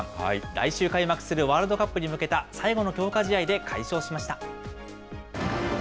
来週開幕するワールドカップに向けた最後の強化試合で快勝しました。